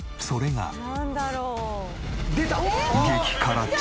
それが。